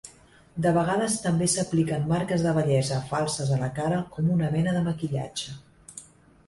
De vegades també s'apliquen marques de bellesa falses a la cara com una mena de maquillatge.